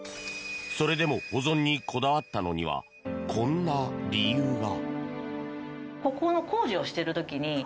それでも保存にこだわったのにはこんな理由が。